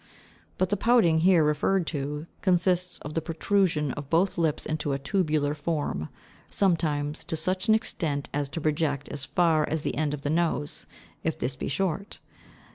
But the pouting here referred to, consists of the protrusion of both lips into a tubular form, sometimes to such an extent as to project as far as the end of the nose, if this be short.